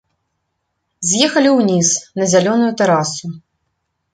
З'ехалі ўніз, на зялёную тэрасу.